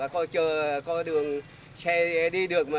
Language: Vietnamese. có đường xe đi được